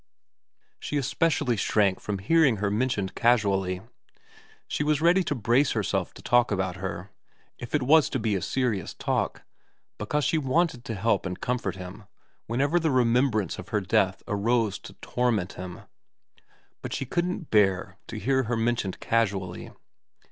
She especially shrank from hearing her mentioned casually. She was ready to brace herself to talk about her if it was to be a serious talk, because she wanted to help and comfort him whenever the remembrance of her death arose to torment him, but she couldn't bear to hear her mentioned casually.